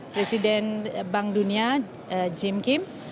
presiden bank dunia jim kim